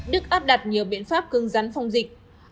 đức áp đặt nhiều biện pháp cưng rắn phong dịch